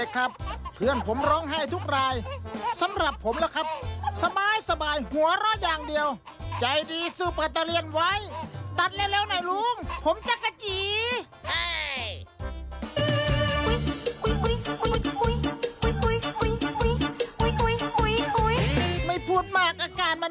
ก็มีครับจ้า